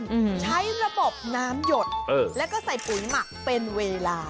อืมใช้ระบบน้ำหยดเออแล้วก็ใส่ปุ๋ยหมักเป็นเวลา